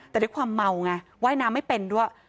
แต่ด้วยความเมาไงว่ายน้ำไม่เป็นด้วย